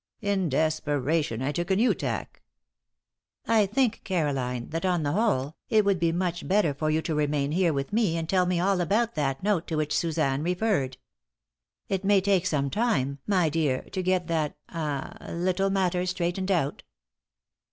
In desperation, I took a new tack. "I think, Caroline, that, on the whole, it would be much better for you to remain here with me and tell me all about that note to which Suzanne referred. It may take some time, my dear, to get that ah little matter straightened out."